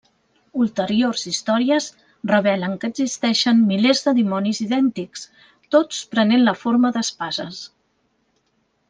Ulteriors històries revelen que existeixen milers de dimonis idèntics, tots prenent la forma d'espases.